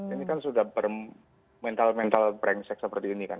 ini kan sudah bermental mental brengsek seperti ini kan